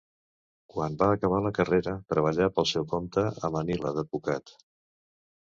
Quan va acabar la carrera, treballà pel seu compte a Manila d'advocat.